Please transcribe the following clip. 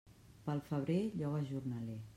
Pel febrer, lloga jornaler.